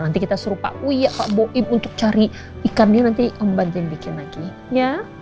nanti kita suruh pak wiyah pak boim untuk cari ikannya nanti embat dia bikin lagi ya